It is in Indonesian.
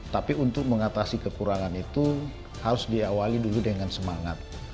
tapi untuk mengatasi kekurangan itu harus diawali dulu dengan semangat